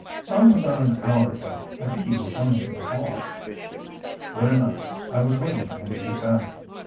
"Saw him about an hour ago. I think he was going to the Hall." "Good enough! I was waiting for him to get back."